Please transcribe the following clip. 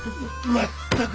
全く！